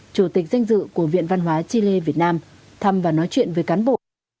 chủ tịch danh dự của viện văn hóa chile việt nam thăm và nói chuyện với cán bộ